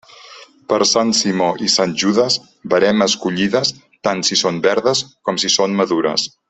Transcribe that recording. Per Sant Simó i Sant Judes, veremes collides, tant si són verdes com si són madures.